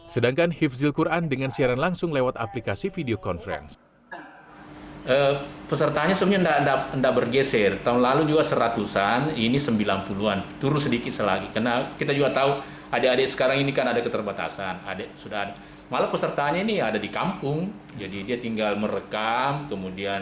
sedangkan hifzil quran dengan siaran langsung lewat aplikasi video conference